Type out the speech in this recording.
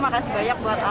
makasih banyak buat alobank